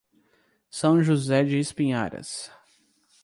São José de Espinharas